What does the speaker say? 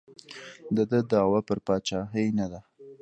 د ده دعوا پر پاچاهۍ نه ده.